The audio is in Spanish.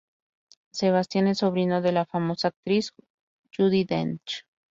Sebastian es sobrino de la famosa actriz Judi Dench.